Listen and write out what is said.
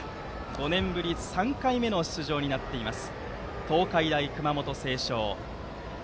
５年ぶり３回目の出場になっています。